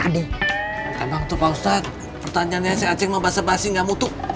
kan memang tuh pak ustadz pertanyaannya si aceh mau basah basih gak mutuk